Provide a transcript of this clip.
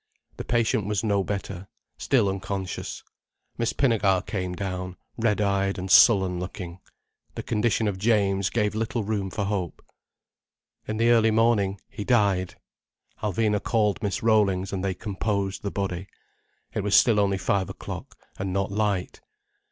The patient was no better, still unconscious. Miss Pinnegar came down, red eyed and sullen looking. The condition of James gave little room for hope. In the early morning he died. Alvina called Mrs. Rollings, and they composed the body. It was still only five o'clock, and not light.